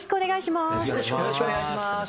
よろしくお願いします。